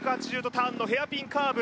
ターンのヘアピンカーブ